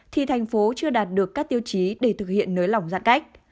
thì thành phố chưa đạt được các tiêu chí để thực hiện nới lỏng giãn cách